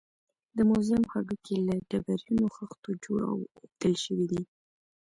د موزیم هډوکي له ډبرینو خښتو جوړ او اوبدل شوي دي.